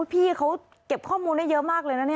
พี่เขาเก็บข้อมูลได้เยอะมากเลยนะเนี่ย